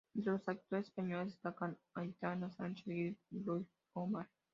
Entre los actores españoles destacar a Aitana Sánchez Gijón y Lluis Homar.